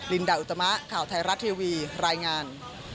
ลินดาอุตมะข่าวไทยรัฐทีวีรายงาน